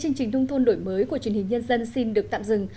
chương trình nông thôn đổi mới của truyền hình nhân dân xin được tạm dừng